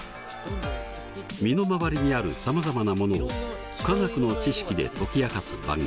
身の回りにあるさまざまなものを化学の知識で解き明かす番組。